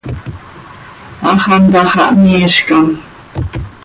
Hax antá xah miizcam.